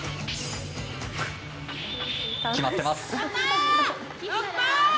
決まってます。